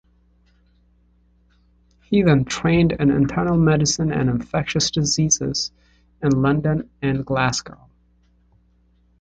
He then trained in internal medicine and infectious diseases in London and Glasgow.